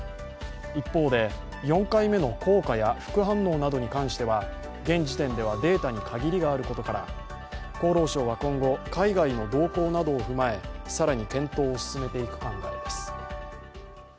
一方で４回目の効果や副反応などに関しては現時点ではデータに限りがあることから厚労省は今後、海外の動向などを踏まえ更に検討を進めていく考えです。